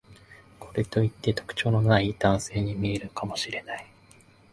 これといって特徴のない男性に見えるかもしれない